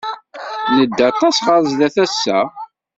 Nedda aṭas ɣer sdat ass-a.